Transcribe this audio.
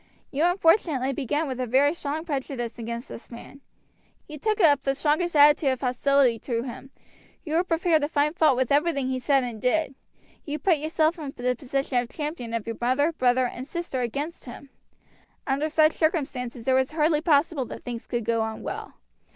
You unfortunately began with a very strong prejudice against this man; you took up the strongest attitude of hostility to him; you were prepared to find fault with everything he said and did; you put yourself in the position of the champion of your mother, brother, and sister against him. Under such circumstances it was hardly possible that things could go on well.